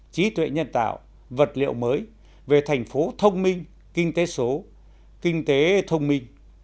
trí tuệ nhân tạo vật liệu mới về thành phố thông minh kinh tế số kinh tế thông minh